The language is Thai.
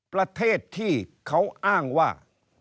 ประเทศที่เขาอ้างว่า